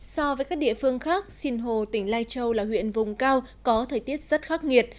so với các địa phương khác sinh hồ tỉnh lai châu là huyện vùng cao có thời tiết rất khắc nghiệt